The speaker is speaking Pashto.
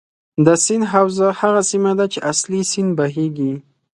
د سیند حوزه هغه سیمه ده چې اصلي سیند بهیږي.